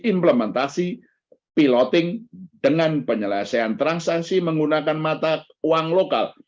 implementasi piloting dengan penyelesaian transaksi menggunakan mata uang lokal